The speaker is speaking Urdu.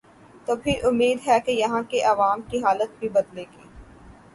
توپھر امید ہے کہ یہاں کے عوام کی حالت بھی بدلے گی۔